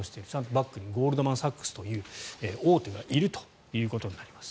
バックにゴールドマン・サックスという大手がいるということになります。